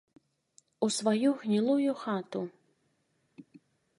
У сваю гнілую хату!